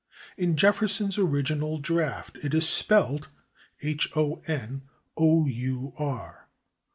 In Jefferson's original draft it is spelled /honour